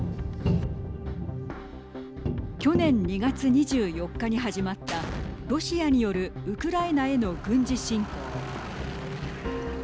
去年２月２４日に始まったロシアによるウクライナへの軍事侵攻。